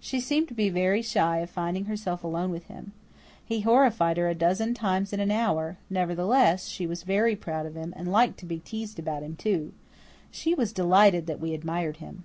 She seemed to be very shy of finding herself alone with him. He horrified her a dozen times in an hour; nevertheless, she was very proud of him, and liked to be teased about him, too. She was delighted that we admired him.